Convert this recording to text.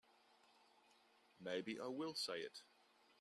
Maybe I will say it.